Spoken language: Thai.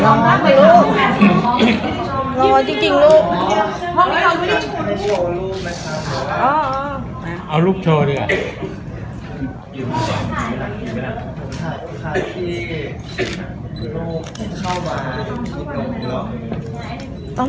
อันนี้ก็มองดูดันกันดูนะคะ